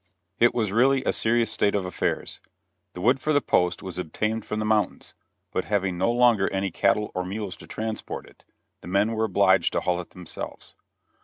It was really a serious state of affairs. The wood for the post was obtained from the mountains, but having no longer any cattle or mules to transport it, the men were obliged to haul it themselves.